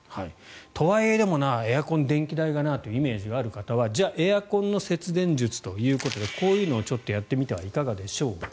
とはいえ、エアコンの電気代がなというイメージがある方はじゃあエアコンの節電術ということでこういうのをやってみてはいかがでしょうか。